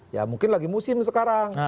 ya mungkin lagi musim sekarang